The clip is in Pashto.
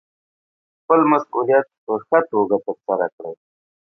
خپل مسوولیت په ښه توګه ترسره کړئ.